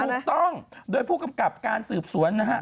ถูกต้องโดยผู้กำกับการสืบสวนนะฮะ